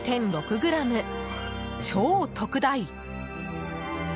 超特大。